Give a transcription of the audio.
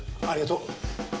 ありがとう。